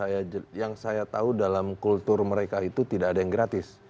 ya yang saya tahu dalam kultur mereka itu tidak ada yang gratis